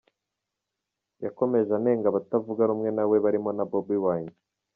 Yakomeje anenga abatavuga rumwe nawe barimo na Bobi Wine.